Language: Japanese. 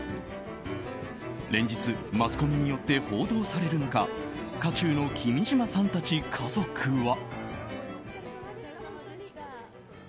連日、マスコミによって報道される中渦中の君島さんたち家族は。